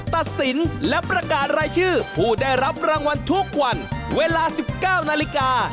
ตัดสินและประกาศรายชื่อผู้ได้รับรางวัลทุกวันเวลา๑๙นาฬิกา